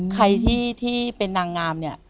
ใครที่เป็นนางงามเนี่ย